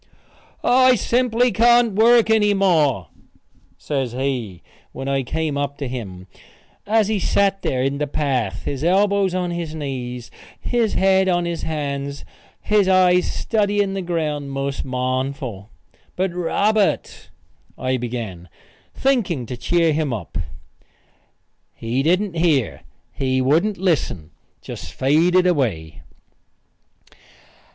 "I simply can't work any more," says he, when I came up to him, as he sat there in the path, his elbows on his knees, his head on his hands, his eyes studying the ground most mournful. "But Robert " I began, thinking to cheer him up. He didn't hear; he wouldn't listen just faded away.